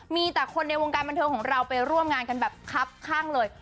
มีแต่คนในวงการบันเทิงของเราไปร่วมงานกันแบบคับข้างเลย